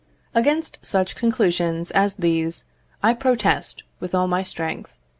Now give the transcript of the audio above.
Against such conclusions as these I protest with all my strength.